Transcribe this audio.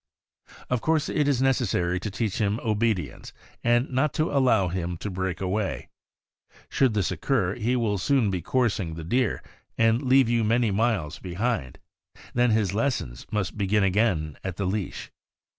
Of course it is necessary to teach him obedience and not to allow him to break away. Should this occur, he will soon be coursing the deer, and leave you many miles be hind; then his lessons must begin again at the leash.